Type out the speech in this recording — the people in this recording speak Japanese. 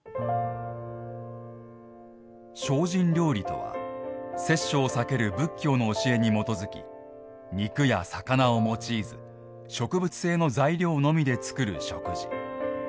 精進料理とは殺生を避ける仏教の教えに基づき肉や魚を用いず植物性の材料のみで作る食事。